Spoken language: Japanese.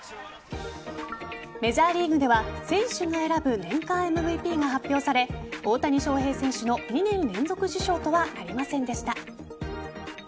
メジャーリーグでは選手が選ぶ年間ＭＶＰが発表され大谷翔平選手の２年連続受賞とはなりませんでした。